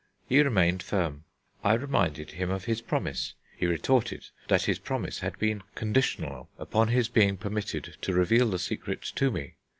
He remained firm. I reminded him of his promise. He retorted that his promise had been conditional upon his being permitted to reveal the secret to me.